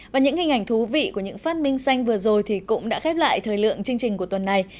và những hình ảnh thú vị của những phát minh xanh vừa rồi cũng đã khép lại thời lượng chương trình của tuần này